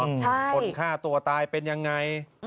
คนฆ่าตัวตายเป็นยังไง